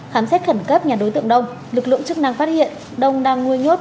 khám xét khẩn cấp nhà đối tượng đông lực lượng chức năng phát hiện đông đang nuôi nhốt